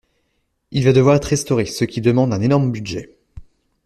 Il va devoir être restauré, ce qui demande un énorme budget.